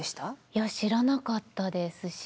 いや知らなかったですし